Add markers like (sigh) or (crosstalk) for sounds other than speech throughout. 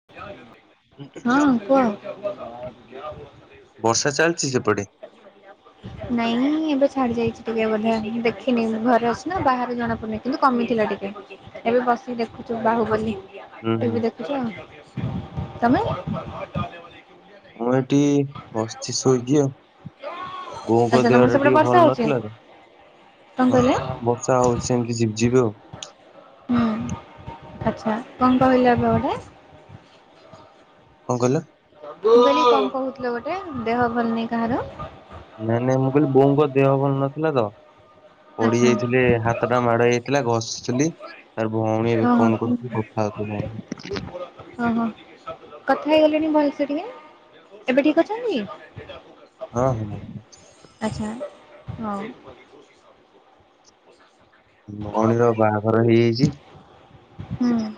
ହଁ, କୁହ। ବର୍ଷା ଚାଲଛି ସେପଟେ? ନାଇଁ ଏବେ ଛାଡି ଯାଇଛି ଟିକେ, ବଢିଆ ନାଇଁ ଦେଖିନି ମୁଁ ଘରେ ଅଛି ନା ବାହାରୁ ଜଣା ପଡୁନି। କିନ୍ତୁ କମିଥିଲା ଟିକେ ଏବେ ବସିକି ଦେଖୁଛୁ ବାହୁବଲି। ହୁଁ ହୁଁ ଟିଭି ଦେଖୁଛ? ତମେ ମୁଁ ଏଠି ବସିଛି ଶୋଇକି ଆଉ। ବୋଉଙ୍କ ଆଚ୍ଛା ଦେହ ତମର ଟା ସେପଟେ ଟିକେ ବର୍ଷା ଭଲ ହଉଛି ନଥିଲା ତ? କଣ କହିଲେ ବର୍ଷା ସେମତି ଝିପି ଝିପି ହେଉ। ହୁଁ ଆଚ୍ଛା କଣ କହିଲ ଏବେ ଗୋଟେ। କଣ କହିଲ? ବୋଲି କଣ କହୁଥିଲ ଗୋଟେ, ଦେହ ଭଲନାହିଁ କାହାର। ନାଇଁ ନାଇଁ ମୁଁ କହିଲି ବୋଉଙ୍କ ଦେହ ଭଲ ନଥିଲା ତ, ପଡି ଆଚ୍ଛା ଯାଇଥିଲେ ହାତ। ହାତଟା ମାଡ ହୋଇଯାଇଥିଲା ଘସିଥିଲି, ତାର ଭଉଣୀ ଏବେ ଓହୋ ଫୋନ କର କଥା ହଉ ଓହୋ କଥା ହେଇଗଲେଣି ଭଲସେ ଟିକେ, ଏବେ ଠିକ ଅଛନ୍ତି? ହଁ ହଁ ଆଚ୍ଛା ହଉ। ମୋ ଭଉଣୀ ର ବାହାଘର ହେଇଯାଇଛି। ହୁଁ। (unintelligible)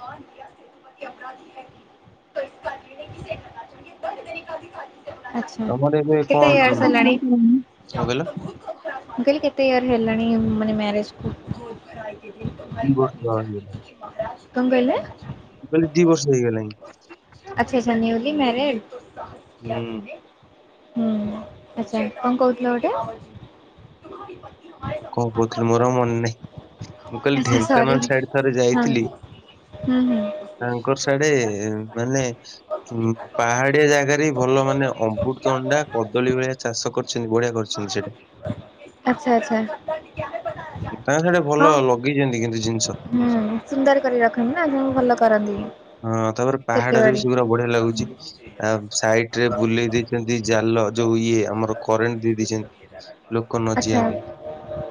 ଆଛା ତମର ଏବେ କଣ କେତେ ଉଁ, ଏଜ୍ କଣ ହେଲାଣି? କହିଲ? କଲି କେତେ ଇୟର ହେଲାଣି ମାନେ ମ୍ୟାରେଜ କୁ? (unintelligible) ବର୍ଷା ହୋଇଥିଲା? କଣ କହିଲେ? କହିଲି ଦି ବର୍ଷ ହେଇଗଲାଣି। ଆଚଛା ଆଛା ନିଉଲି ହୁଁ ମ୍ୟାରେଡ? ହୁଁ ଆଛା କଣ କହୁଥିଲ ଗୋଟେ? କଣ କହୁଥିଲି ମୋର ଆଉ ମନେ ନାହିଁ। ମୁଁ କହିଲି ଆଚ୍ଛା ସରି ଢେଙ୍କାନାଳ ହଁ ସାଇଡ ଥରେ ଯାଇଥିଲି। ହୁଁ ହୁଁ ତାଙ୍କର ସିଆଡ଼େ ମାନେ ହୁଁ ପାହାଡ଼ିଆ ଜାଗାରେହିଁ ଭଲ ମାନେ ଅମ୍ବୃତଭଣ୍ଡା କଦଳୀ ଭଳିଆ ଚାଷ କରି ଛନ୍ତି ବଢିଆ କରିଛନ୍ତି ସେଇଟା। ଆଚ୍ଛା ଆଚ୍ଛା। ତାଙ୍କର ସେଟା ହଁ ଭଲ ଲଗେଇଚନ୍ତି କିନ୍ତୁ ଜିନ୍ଷ। ହୁଁ ସୁନ୍ଦର କରି ରଖନ୍ତିନା ତେଣୁ ଭଲ କରନ୍ତି। ହଁ ତାପରେ ପାହାଡ଼ରେବି କ୍ଷେତିବାଡ଼ି ସେଗୁରା ବଢ଼ିଆ ଲାଗୁଚି। ଆଉ ସାଇଟରେ ବୁଲେଇ ଦେଇଚନ୍ତି ଜାଲ ଯୋଉ ଇଏ ଆମର କରେଣ୍ଟ ଦେଇ ଦେଇଚନ୍ତି ଲୋକ ନଯିବା ଆଚ୍ଛା ପାଇଁ।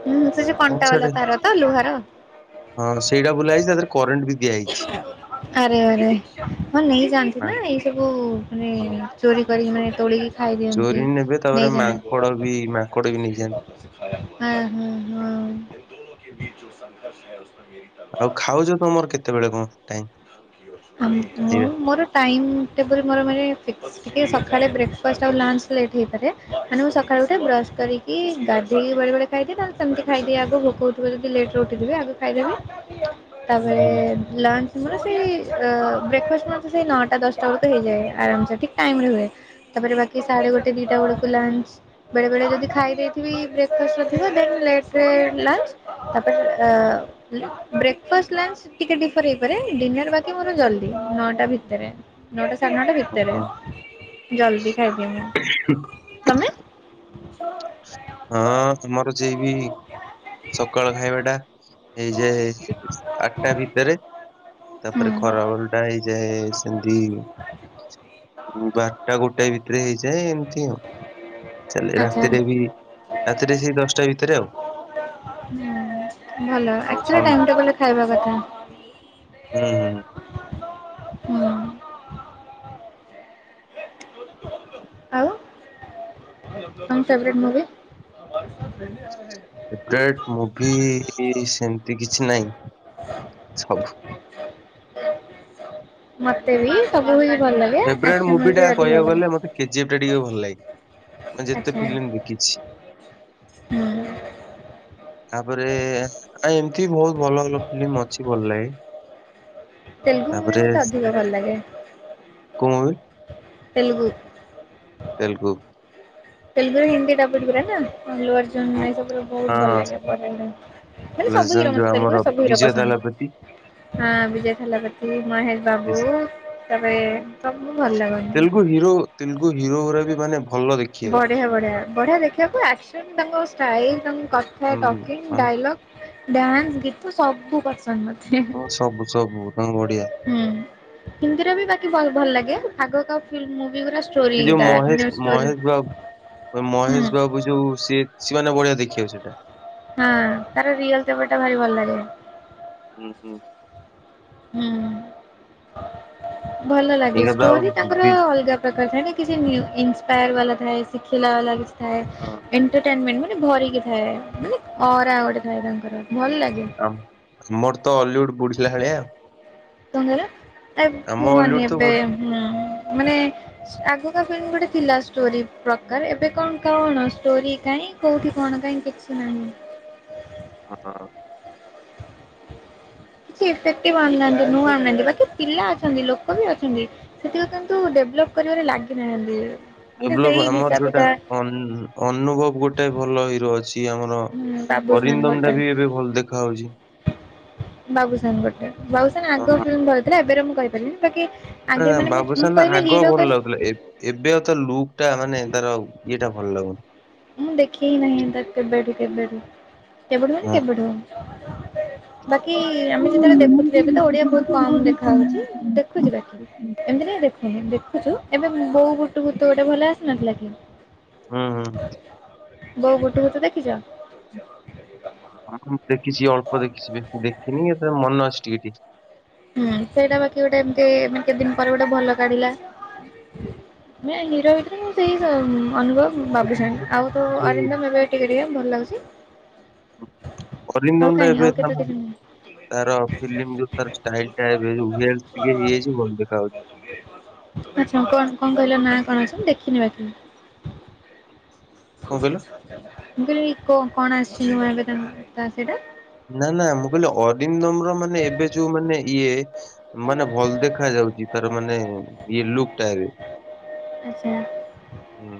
ହୁଁ ସେଯୋଉ ତାଙ୍କ ସାଡେ କଣ୍ଟାବାଲା ତାରତ ଲୁହାର? ହଁ ସେଇଟା ବୁଲା ହେଇଚି ତାଦିହରେ କରେଣ୍ଟବି ଦିଆହେଇଛି। ଆରେ ଆରେ ହଁ ନେଇ ଯାଆନ୍ତିନା ଏଇ ସବୁ ମାନେ ହଁ। ଚୋରି କରିକି ମାନେ ତୋଳିକି ଚୋରି ଖାଇଦିଅନ୍ତି। ନେବେ ତାପରେ ମାଙ୍କଡ଼ବି ମାଙ୍କଡ଼ବି ନେଇଯାଆ ଅଁ ହଁ ହଁ। ଆଉ ଖାଉଚ ତମର କେତେବେଳେ କଣ ଟାଇମ୍? ଆ ମୁଁ ଖାଇବା? ମୋର ଟାଇମ୍ ଟେବୁଲ୍ ମୋର ମାନେ ଫିକ୍ସ ଟିକେ ସଖାଳେ ବ୍ରେକ୍ଫାଷ୍ଟ ଆଉ ଲଞ୍ଚ୍ ଲେଟ୍ ହେଇପାରେ ମାନେ ମୁଁ ସକାଳୁ ଉଠେ ବ୍ରସ୍ କରିକି ଗାଧେଇକି ବେଳେ ବେଳେ ଖାଇଦିଏ ନହେଲେ ସେମିତି ଖାଇଦିଏ ଆଗ ଭୋକ ହୋ ଯଦି ଲେଟ୍ରେ ଉଠିଥିବି ଆଗ ଖାଇଦେବି ହୁଁ ତାପରେ ହୁଁ, ଲଞ୍ଚ୍ ମୋର ଏଇ ବ୍ରେକ୍ଫାଷ୍ଟ ମତେ ସେଇ ନଅଟା ଦଶଟା ବେଳକୁ ହେଇଯାଏ ଆରାମସେ ଠିକ୍ ଟାଇମରେ ହୁଏ ତାପରେ ବାକି ସାଢେ ଗୋଟେ ଦିଟା ବେଳକୁ ଲଞ୍ଚ୍ ବେଳେ ବେଳେ ଯଦି ଖାଇ ଦେଇଥିବି ବ୍ରେକ୍ଫାଷ୍ଟ ନଥିବ ଦେନ୍ ଲେଟ୍ରେ ଲଞ୍ଚ୍ ତାପରେ ଅଁ ବ୍ରେକ୍ଫାଷ୍ଟ ଲଞ୍ଚ୍ ଟିକିଏ ଡିଫର ହେଇପାରେ ଡିନର ବାକି ମୋର ଜଲ୍ଦି ନଅଟା ଭିତରେ। ନଅଟା ସାଢ଼େ ନଅଟା ହଁ। ଭିତରେ ଜଲ୍ଦି ଖାଇଦିଏ ମୁଁ। ତମେ? ହଁ ତମର ଯେଇ ବିହି ସକାଳ ଖାଇବାଟା ହୁଁ। ଏହିଯାଏ ଆଠଟା ଭିତରେ ତାପରେ ଖରା ବେଳଟା ହେଇଯାଏ ସେମିତି ବାରଟା ଗୋଟେ ଭିତରେ ହେଇଯାଏ ଏମିତି ଆଉ ଚାଲେ ଆଚ୍ଛା ହୁଁ ରାତିରେ ବି ରାତିରେ ସେଇ ଦଶଟା ଭିତରେ ଆଉ। ହୁଁ ଭଲ ଆଉ ଆକ୍ଚୁଆଲି ସନ୍ ଟାଇମ୍ ଟେବୁଲରେ ଖାଇବା କଥା। ହୁଁ ହୁଁ। ହୁଁ। ଆଉ? ତମ ଫେବରାଇଟ୍ ମୁଭି? ଫେବରାଇଟ୍ ମୁଭି ସେମିତି କିଛି ନାଇଁ ସବୁ ମତେବି ସବୁ ମୁଭି ଭଲ ଲାଗେ ଆକ୍ସନ ଉରାବି ଅଧିକ ଭଲ ଲାଗେ। କେଜିଏଫଟା ଟିକେ ଭଲ ଲାଗେ ମୁଁ ଯେତେ ଆଚ୍ଛା ଫିଲ୍ମ ଦେଖିଛି। ହୁଁ ତାପରେ ଆ ଏମିତି ବହୁତ୍ ଭଲ ଭଲ ଫିଲ୍ମ ଅଛି ଭଲ ଲାଗେ। ତେଲୁଗୁ ମୁଭି ତାପରେ ମତେ ଅଧିକ ଭଲ ଲାଗେ କୋଉ ମୁଭି ତେଲୁଗୁ ତେଲୁଗୁ। ତେଲଗୁର ହିନ୍ଦୀଟା ଡବଲ୍ ଗୁରାନା ଆଲୁଅର୍ଜୁନ (unintelligible) ସବୁଠୁ ବହୁତ୍ ଭଲ ହଁ। ଲାଗେ ମାନେ ସବୁ ହିରୋ ଲେଜେଣ୍ଡ ଯୋଉ ମତେ ଆମର ତେଲୁଗୁରେ ସବୁ ହିରୋ ବିଜୟ ତାଲାପତି ପସନ୍ଦ। ହଁ ବିଜୟ ଥେଲପତି ମହେଶ ବାବୁ ବିଜ୍ ତାପରେ ଉଁ ସବୁ ଭଲ ଲାଗନ୍ତି। ତେଲୁଗୁ ହିରୋ। ତେଲୁଗୁ ହିରୋ ଉରା ବି ମାନେ ଭଲ ଦେ ବଢିଆ ବଢିଆ ବଢ଼ିଆ ଦେଖିବାକୁ ଆକ୍ସନ ତାଙ୍କ ଷ୍ଟାଇଲ ତାଙ୍କ କଥା ହୁଁ ଟକିଂ ଆଉ ଡାଇଲଗ୍। ଡ୍ୟାନ୍ସ ଗୀତ ସବୁ ପସନ୍ଦ ମ ହଁ ସବୁ ସବୁ ତମ ବଢିଆ। ହୁଁ ହିନ୍ଦୀରେ ବି ବାକି ଭଲ ଲାଗେ ଆଗ ମୋଭି ଗୁଡା ଯିଏ ମହେଶ୍ ମହେଶ୍ ବା ହୁଁ ମହେଶ୍ ବାବୁ ଯୋଉ ସିଏ ସିବାନି ଭଳିଆ ଦେଖିବାକୁ ସେଇଟା। ହଁ ତାର ରୟଲ ତେବର୍ ଟା ଭାରି ଭଲ ଲାଗେ। ହୁଁ ହୁଁ। ହଁ ଭଲ ଲାଗେ ଏଇନା ତ ଆଉ ଷ୍ଟୋରି ତାଙ୍କର ବି ଅଲଗା ସେଟା ଛାଡିକି ସେ ନିୟୁ ଇନଷ୍ପାୟାର ହଁ ଏଣ୍ଟେଟେନମେଣ୍ଟେ ନା ଭରିକି ଥାଏ ମାନେ ଅରା ଗୋଟେ ଥାଏ ତାଙ୍କର ଭଲ ଲାଗେ। ଆମର ତ ଓଲ୍ଡିଉଡ୍ ବୁଡିଲା ଭଳିଆ ଆଉ। କଣ କହିଲ ନାଇଁ ଆମ ଅଲିଉଡ କୁହନି ତ ଏବେ ବୁଡ୍ ହୁଁ ମାନେ ଆଗକା ଫିଲ୍ମ ଗୋଟେ ଥିଲା ଷ୍ଟୋରି। ପ୍ରକାର ଏବେ କଣ କଣ ଷ୍ଟୋରି କାହିଁ କୋଉଠି କଣ କାଇହିଁ କିଛି ନାହିଁ। ହଁ। କିଛିଇଫେକ୍ଟିଭ ଆଣୁନାହାନ୍ତି ନୂ ଆଣୁନାହାନ୍ତି ବାକି ପିଲା ଅଛନ୍ତି ଲୋକ ବି ଅଛନ୍ତି। ସେଠିକ କିନ୍ତୁ ଡେଭଲପ କରିବାରେ ଲାଗିନାହାନ୍ତି। ସେ ସେଇ ଡେଭଲପ ଆମର ଘିସା ଯୋଉଟା ପିଟା ଅନୁଭବ ଗୋଟେ ଭଲ ହିରୋ ଅଛି ଆମର ହଁ ବାବୁସାନ ଅରିନ୍ଦମ ଟା ଗୋଟେ ବି ଏବେ ଭଲ ଦେଖା ହୋଉଚି। ବାବୁସାନ ଗୋଟେ ବାବୁସାନ ଆଗ ହଁ ଫିଲ୍ମ ଏବେ ମୁଁ କହିପାରିନି ବାକି ନା ଆଗେ ନା ମାନେ ମୁଁ ମୁଁ ବାବୁସାନ ନା କହିଲେ ଆଗ ହିରୋ ଭଲ କହିଲେ ଲାଗୁଥିଲା ଏ ଏବେ ଆଉ ତ ଲୁକ୍ ଟା ମାନେ ତା ଦଟ ଇଏଟା ଭଲ ଲାଗୁନି। ମୁଁ ଦେଖେ ନାହିଁ ତା କେବେଠୁ କେବେଠୁ କେବେଠୁ ମାନ ହଁ। କେବେଠୁ। ବାକି ହୁଁ ଆମେ ଯେତେବେଳେ ଦେଖୁଥିଲେୁ ଏବେ ତ ଓଡିଆ ବହୁତ କମ୍ ଦେଖା ଦେଖୁଛି ବାକି। ଏମିତି ନାଇଁ ଦେଖୁନି ଦେଖୁଛୁ ଏବେ ବୋଉ ବୁଟୁ ଭୂତ ଗୋଟେ ଭଲ ଆସିନଥିଲା କି। ହୁଁ ହୁଁ। ବୋଉ ବୁଟୁ ଭୂତ ଦେଖିଛ? ହଁ ମୁଁ ଦେଖି ଅଳ୍ପ ଦେଖିଛି ବେଶୀ ଦେଖିନି ଏ ତ ମନ ଅଛି ଟିକେ ଟିକେ। ହୁଁ ସେଇଟା ବାକି ଗୋଟେ ଏମତି କେତେ ଦିନ ପରେ ଗୋଟେ ଭଲ କାଢିଲା। ନା ହିରୋ ଭିତରେ ମୁଁ ସେଇ ଅନୁଭବ ବାବୁସାନ୍ ଆଉ ତ ଯୋଉ ଅରିନ୍ଦମ୍ ଏବେ ଟିକେ ଟିକେ ଭଲ ଲାଗୁଛି। ଆଉ ଅରିନ୍ଦମ୍ ଟା କାହିଁ ଆଉ ଏବେ କେତେ ଦିନ ତାର ଫିଲ୍ମ ଯୋଉ ତାର ଷ୍ଟାଇଲ ଟା ଏବେ ଯୋଉ ହେଥ୍ଲ ଟିକେ ହେଇଯାଇଛି ଭଲ ଦେଖା ଯାଉଛି। ଆଚ୍ଛା କଣ କଣ କହିଲା ନା କଣ ଅଛନ୍ତି ଦେଖିନି ବାକି। ମୁଁ କଣ କହିଲ? କହିଲି କଣ ଆସିଛି ନୂଆ ଏବେ ତା ତା ସେଇଟା? ନା ନା ମୁଁ କହିଲି ଅରିନ୍ଦମ ର ମାନେ ଏବେ ଯୋଉ ମାନେ ଇଏ ମାନେ ଭଲ ଦେଖାଯାଉଛି ତାର ମାନେ ଇଏ ଲୁକ୍ ଟା ଏବେ। ଆଛା। ହୁଁ।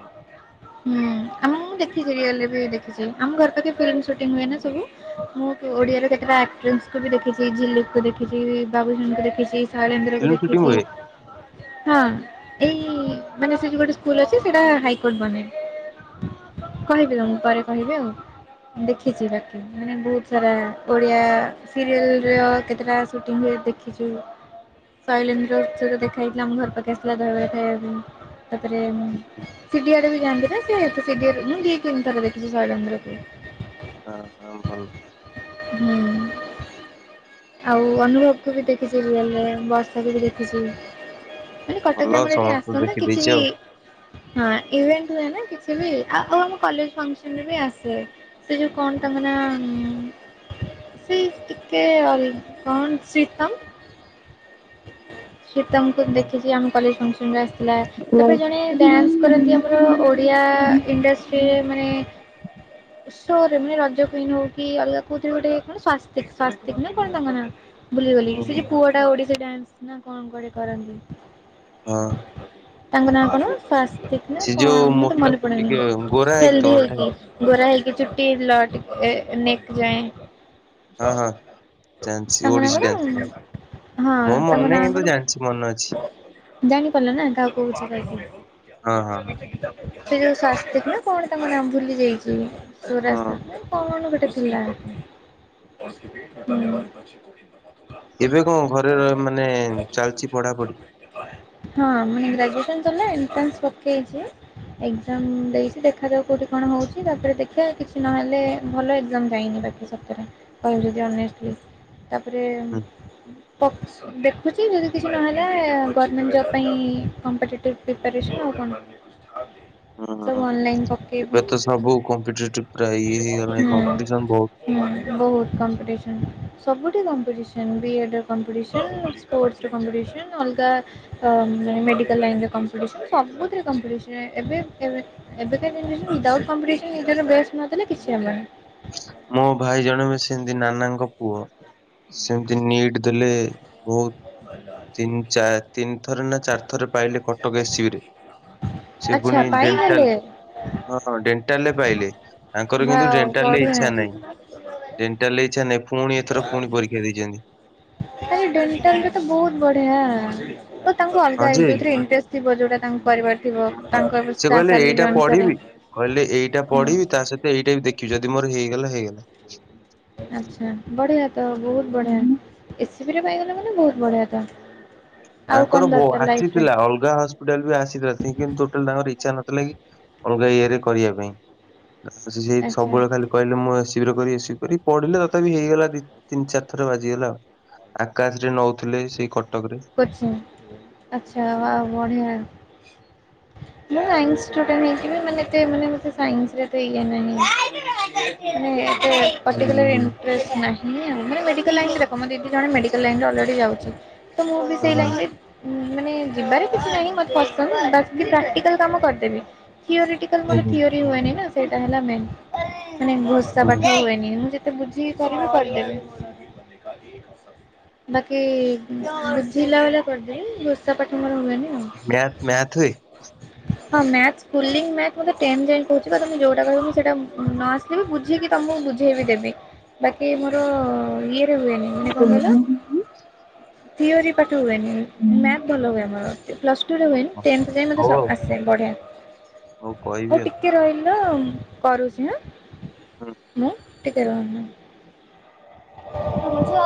ମୁଁ ଦେଖିଛି ରିଏଲ୍ ରେ ବି ଦେଖିଛି ଆମ ଘର ପାଖେ ଫିଲ୍ମ୍ ସୁଟିଙ୍ଗ ହୁଏ ନା ସବୁ ମୁଁ ଓଡିଆରେ କେତେଟା ଆକ୍ଟ୍ରିସକୁ ବି ଦେଖିଛି ଝିଲୁୁ ଦେଖିଛି ବାବୁସାନଙ୍କୁ ଦେଖିଛି ଶୈଳନ୍ଦ୍ରର ଙ୍କୁ ଫିଲ୍ମ ସୁଟିଂ ହୁଏ? ଦେଖିଛି। ହଁ ଏଇ ମାନେ ସେଠି ଗୋଟେ ସ୍କୁଲ ଅଛି ସେଇଟା ହାଇକୋର୍ଟ ବନେ। କହିବି ହଁ ତମେ ପରେ କହିବେ ଆଉ। ଦେଖିଛି ବାକି ମାନେ ବହୁତ ସାରା ଓଡିଆ ସିରିଏଲ୍ର କେତେଟା ସୁଟିଂ ହୁଏ ଦେଖିଛି। ଶୈଳନ୍ଦ୍ରର ଦେଖା ହେେଇଥିଲା ଆମ ଘର ପାଖେ ଆସିଲା ଧ ଖାଇବା ପାଇଁ (unintelligible) ତାପରେ ସିଡିଆଡେ ବି ଯାଆନ୍ତି। ସେ ତ ସେ (unintelligible) ମୁଁଡିି କେମି ତା ଦେଖ କିଛି (unintelligible) ଶୈଳନ୍ଦ୍ରରକୁ। ହଁ ହଁ ଭଲ। ହୁଁ। ଆଉ ଅନୁଭବକୁ ବି ଦେଖିଛି ରିଅଲ ରେ, ବର୍ଷାକୁ ବି ଦେଖିଛି। ମାନେ କଟକ ରେ ଭଲ ଆମର ଏଠି ସମସ୍ତଙ୍କୁ ଆସନ୍ତି ଦେଖି କିଛି ଦେଇଛି ବି ଆଉ। ହଁ ଇଭେଣ୍ଟ ହୁଏ ନା। କିଛି ବି, ଆ ଆଉ ଆମ କଲେଜ ଫଙ୍କସନ୍ ରେ ବି ଆସେ। ସେ ଯେଉ କଣ ତାଙ୍କ ନା ଉଁ ସେ ଟିକେ ଅଲ୍ କଣ ଶ୍ରୀତମ୍ ଶୀତମକୁ ହଁ ଦେଖିଛି ଆମ କଲେଜ ଫଙ୍କସନରେ ଆସିଥିଲା, ହୁଁ ତାପରେ ଜଣେ ଡ୍ୟାନ୍ସ କରନ୍ତି ଆମ ଓଡିଆ ଇଣ୍ଡଷ୍ଟ୍ରି ରେ ମାନେ ସୋ ରେ ମାନେ ରଜ କୁଇନ୍ ହଉ, କି ଅଲଗା କୋଉଥିରେ ଗୋଟେ କଣ ସ୍ୱାସ୍ତିକ ସ୍ୱାସ୍ତିକ ନା କଣ ତାଙ୍କ ନାଁ ଭୁଲିଗଲି ସେ ଯେ ପୁଅ ଟା ଓଡିଶୀ ଡ୍ୟାନ୍ସ, ନା କଣ ଗୋଟେ ହଁ କରନ୍ତି ତାଙ୍କ ନାଁ କଣ ସ୍ଵାସ୍ତିକ ନା ସେ ଯୋଉ କଣ ମୁଁ ତ ମୋଟା ମନେ ପଡନି ଟିକେ ଗୋରା ହେଇକି ତ ହେଲ୍ଦି ମୋଟା ହୋଇକି। ହେଇକି ଗୋରା ହେଇକି ଚୁଟି ଲ ଟେ ନେକ୍ ଯାଏ। ହଁ ହଁ ଜାଣିଛି, ତାଙ୍କ ନାଁ ଓଡିଶୀ କଣ? ଡ୍ୟାନ୍ସ କରନ୍ତି। ହଁ ମୋ ମନେ ତାଙ୍କ ନାଁ ନାହିଁ କିନ୍ତୁ କଣ ଜାଣିଛି ମନେ ଅଛି ଜାଣିପାରିଲ ନା କାହାକୁ କହୁଛି କହିକି? ହଁ ହଁ ହଁ। ସେ ଯୋଉ ସ୍ଵାସ୍ତିକ ନା କଣ ତାଙ୍କ ନଁ ଭୁଲି ଯାଇଛି। ସ୍ବରାଜ ହଁ (unintelligible) କଣ ଗୋଟେ ଥିଲାଁ ଏବେ କଣ ଘରେ ର ମାନେ ଚାଲିଛି ପଢାପଢି? ହଁ ମାନେ ଗ୍ରାଜୁଏସନ ସରିଲା ଇଣ୍ଟର୍ନାସ ପକେଇଛି ଏକ୍ଜାମ ଦେଇଛି ଦେଖାାଯାଉ କଉଠି କଣ ହଉଛି, ତାପରେ ଦେଖିବା କିଛି ନହେଲେ ଭଲ ଏକ୍ଜାମ ଯାଇନି ବାକି। ସତରେ କହିବ ଯଦି ଅନେଷ୍ଟଲି ତାପରେ ହୁଁ ଦେଖୁଛି ଯଦି କିଛି ନହେଲା ଗଭର୍ଣ୍ଣମେଣ୍ଟ୍ ଜବ୍ ପାଇଁ କମ୍ପିଟେଟିଭ୍ ପ୍ରିପାରେସନ୍ ଆଉ କଣ। ହୁଁ ହୁଁ। ସବୁ ଅନଲାଇନ୍ ପ ଏବେ ତ ସବୁ କମ୍ପିଟେଟିଭ୍ ପୁରା ଇଏ ହେଇଗଣି କମ୍ପିଟିସନ୍ ବହୁତ। ହୁଁ ବହୁତ କମ୍ପିଟିସନ, ସବୁଠୀ କମ୍ପିଟିସନ ବିଏଡ କମ୍ପିଟିସନ୍ ସ୍ପୋର୍ଟସର କମ୍ପିଟିସନ୍ ଅଲଗା ଅ ମେଡିକାଲ ଲାଇନ ରେ କମ୍ପିଟିସନ ସବୁଥିରେ କମ୍ପିଟିସନ୍ ଏବେ ଏବେ ଏବେ (inaudible) ୱିଥଆଉଟ୍ କମ୍ପିଟିସନ୍ ନିଜର ବେଷ୍ଟ ନ ଦେଲେ କିଛି ହବନି। ମୋ ଭାଇ ଜଣେ ସେମତି ନାନାଙ୍କ ପୁଅ ସେମିତି ନିଟ୍ ଦେଲେ ବହୁତ ତିନି ଚା ତିନି ଥର ନା ଚାରି ଥର ପାଇଲେ କଟକ ଏସିବି ରେ। ସେ ଆଚ୍ଛା ପୁଣି ପାଇଗଲେ ଡେଣ୍ଟାଲ ହଁ ଡେଣ୍ଟାଲରେ ପାଇଲେ। ତାଙ୍କର କିନ୍ତୁ ୱାଓ ଡେଣ୍ଟାଲ ରେ ଇଚ୍ଛା ବଢ଼ିଆ। ନାହିଁ ଡେଣ୍ଟାଲ ରେ ଇଚ୍ଛା ପୁଣି ଏଥର ପୁଣି ପରୀକ୍ଷା ଦେଇଛନ୍ତି। ଆରେ ଡେଣ୍ଟଲ ବି ତ ବହୁତ ବଢିଆ। ଓ ତାଙ୍କୁ ହଁ ଅଲଗା ଯେ ଯୋଉଥିରେ ଇଣ୍ଟେରେଷ୍ଟେ ଥିବ ଯୋଉଟା ତାଙ୍କ କରିବାର ଥିବ ହଁ ତାଙ୍କ ସେ କହିଲେ ଷ୍ଟାସାଲିନ୍ ଏଇଟା ଅନୁସାରେ। ପଢିବି କହିଲେ ଏଇଟା ହୁଁ ପଢିବି, ତା ସହିତ ଏଇଟା ବି ଦେଖିବି ଯଦି ମୋର ହେଇଗଲା ହେଇଗଲା। ଆଚ୍ଛା ବଢିଆ ତ ବହୁତ ବଢିଆ। ଏସିବିରେ ପାଇଗଲେ ମାନେ ବହୁତ ବଢିଆ ଚାନେସ୍। ତାଙ୍କର ବୋ ଆଜି ଥିଲା ଅଲଗା ହସ୍ ଟୋଟାଲବି ଆସିନଥିଲା ସେ କିନ୍ତୁ ଟୋଟାଲ ତାଙ୍କର ଇଚ୍ଛା ନଥିଲା କି ଅଲଗା ଇଏରେ କରିବା ପାଇଁ। ସେଇ ଆଚ୍ଛା ସବୁବେଳେ ଖାଲି କହିଲେ ମୁଁ ଏସିବି ରେ କରିଵି ଏସିବି କରିବି ପଢିଲେ ତଥାପି ହେଇଗଲା ଦି ତିନି ଚାରି ଥର ବାଜିଗଲା ଆଉ। ଆକାଶ ରେ ନଉଥିଲେ ସେଇ କଟକ ରେ। କୋଚିଂ ଙ୍ଗି ଆଚ୍ଛା ବା ବଢ଼ିଆ। ମୁଁ ସାଇନ୍ସି ଷ୍ଟୁଡେଣ୍ଟେ ହେଇକି ବି ମାନେ ଏତେ ମାନେ ମୋତେ ସାଇନ୍ସିରେ ଏତେ ଇଏ ନାହିଁ। ମାନେ ଏତେ ହୁଁ ପର୍ଟିକୁଲାର ଇନ୍ ଷ୍ଟ୍ରେସେ ନାହିଁ ଆଉ, ମାନେ ମେଡିକାଲ ଲାଇନ ରେ ଦେଖ ମୋ ଦି ଦି ଜଣ ମେଡିକାଲ ଲାଇନ ରେ ଅଲରେଡି ଯାଉଛି। ତ ମୁଁ ବି ସେଇ ହୁଁ ଲାଇନ୍ ରେ ମାନେ ଯିବାରେ କିଛି ନାହିଁ ମୋତେ ପ ତମେ ପ୍ରାଟି ପ୍ରାଟିକାଲ କାମ କରିଦେବି ଥିଓରେଟିକାଲ ହୁଁ ମୋର‌ ହୁଁ ଥିଓରି ହୁଏନି ନା ସେଇଟା ହେଲା ମେନ୍ ଘୋଷା ହୁଁ ପାଠ ହୁଏନି ମୁଁ ଯେ ବୁଝିକି କରିବି କରିଦେଵି ବାକି ଵୁଝିଲା ବାଲା କରିଦେବି ଘୋଷା ପାଠ ମୋର ହୁଏନି। ଆଉ। ମ୍ୟାଥ ମ୍ୟାଥ ହୁଏ? ହଁ ମ୍ୟାଥ ପୁଲିଙ୍ଗ ମ୍ୟାଥ ମତେ ଟେନେ ଯାଏଁ କହୁଛି ପା ତମେ ଯୋଉଟା କହିବ ସେଟା ନଆସ କେବେ ବୁଝିକି ତୁମକୁ ବୁଝେଇବି ଦେବି ବାକି ହୁଁ। ମୋର ଇଏରେ ହୁଏନି ମାନେ କଣ କହିଲ? ଥିଓରି ପାଠ ହୁଏନି। ମ୍ଯାଥ ଭଲ ହୁଏ ମୋର ପ୍ଲସ୍ ଟୁରେ ହୁଏନି ଟେନେଥେ୍ ଯାଇ ହଉ ମତେ ଆଉ ଆସେ ବଢିଆ। ହଉ ଟିକେ ରହିଲ କରୁଛି ହାଁ ଆଉ। ମୁଁ। ଟିକେ ରହ। (inaudible)